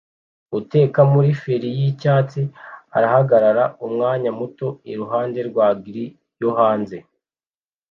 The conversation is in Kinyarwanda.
Uteka muri feri yicyatsi arahagarara umwanya muto iruhande rwa grill yo hanze